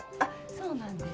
そうなんです。